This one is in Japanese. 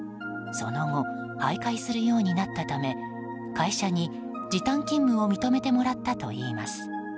その後徘徊するようになったため会社に時短勤務を認めてもらったといいます。